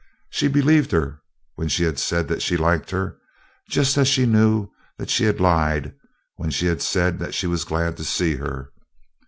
She believed her when she had said that she liked her, just as she knew that she had lied when she had said that she was glad to see her.